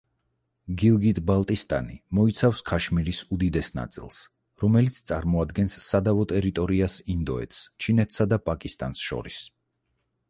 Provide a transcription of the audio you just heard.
გილგიტ-ბალტისტანი მოიცავს ქაშმირის უდიდეს ნაწილს, რომელიც წარმოადგენს სადავო ტერიტორიას ინდოეთს, ჩინეთსა და პაკისტანს შორის.